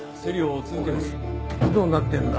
おいどうなってるんだ？